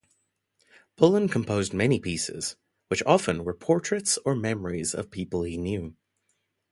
Pullen composed many pieces, which often were portraits or memories of people he knew.